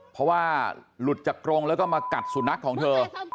เพราะว่าหลุดจากกรงแล้วก็มากัดสุนัขของเธอ